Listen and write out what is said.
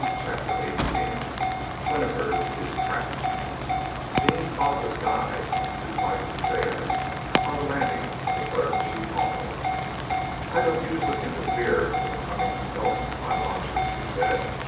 CHAPTER XVIII WINIFRED IS TRAPPED Deane followed his guide up two flights of stairs, on the landing of the third she paused. "I do not usually interfere with the comings and goings of my lodgers," she said.